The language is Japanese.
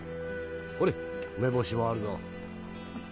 ほれ梅干しもあるぞ。